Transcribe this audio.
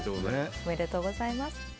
おめでとうございます。